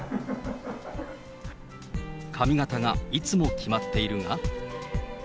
髪形がいつも決まっているが。